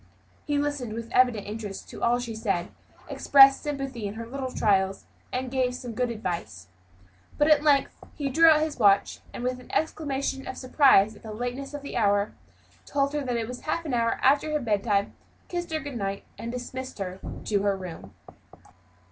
He listened with evident interest to all she said, expressed sympathy in her little trials, and gave her some good advice. But at length he drew out his watch, and with an exclamation of surprise at the lateness of the hour, told her it was half an hour after her bedtime, kissed her good night, and dismissed her to her room.